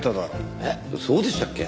えっそうでしたっけ？